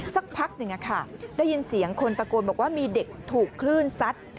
สักพักหนึ่งได้ยินเสียงคนตะโกนบอกว่ามีเด็กถูกคลื่นซัด